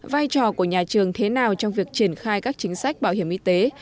vai trò của nhà trường thế nào trong việc triển khai các chính sách bảo hiểm y tế